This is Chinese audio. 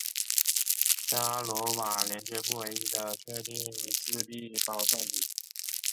伽罗瓦连接不唯一的确定自闭包算子。